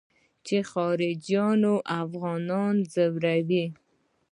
چې خارجيان افغانان ځوروي.